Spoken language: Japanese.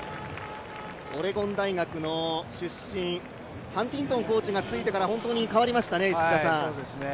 オレゴン大学の出身、ハンティントンコーチがついてから変わりましたね。」